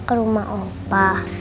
ke rumah opa